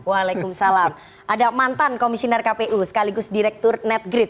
waalaikumsalam ada mantan komisioner kpu sekaligus direktur netgrid